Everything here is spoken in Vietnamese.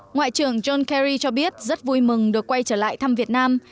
ngoại trưởng john kerry cho biết rất vui mừng được quay trở lại thăm việt nam